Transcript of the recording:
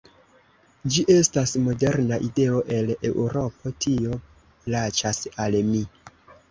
Ĝi estas moderna ideo el Eŭropo; tio plaĉas al mi.